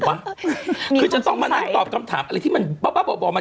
เป็น๒๐ชั่วโมงพี่นุ่ม